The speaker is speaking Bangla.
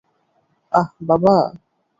আহ, বাবা?